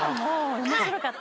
面白かった？